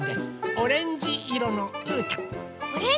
オレンジいろのうーたん。